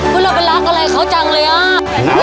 พี่เราเป็นรักอะไรเขาจังเลยอ่ะ